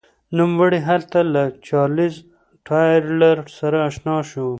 نوموړی هلته له چارلېز ټایلر سره اشنا شو.